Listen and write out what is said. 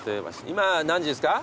今何時ですか？